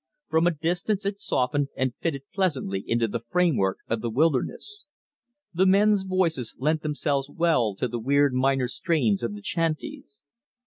From a distance it softened and fitted pleasantly into the framework of the wilderness. The men's voices lent themselves well to the weird minor strains of the chanteys.